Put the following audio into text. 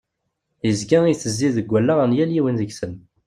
Yezga yettezzi deg wallaɣ n yal yiwen deg-sen.